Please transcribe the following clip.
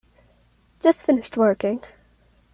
Just finished working.